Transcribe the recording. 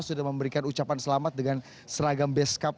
sudah memberikan ucapan selamat dengan seragam beskap